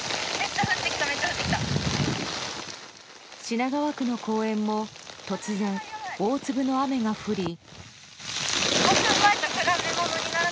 品川区の公園も突然、大粒の雨が降り。